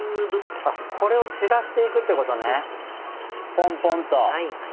ポンポンと。